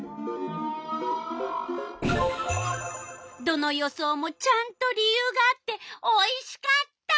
どの予想もちゃんと理由があっておいしかった！